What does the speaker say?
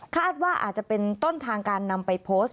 อาจจะเป็นต้นทางการนำไปโพสต์